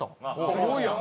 すごいやん！